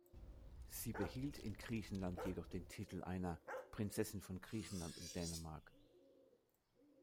Sie behielt in Griechenland jedoch den Titel einer "Prinzessin von Griechenland und Dänemark".